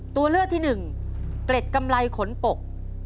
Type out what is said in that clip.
ตัวเลือกที่หนึ่งเกล็ดกำไรขนปก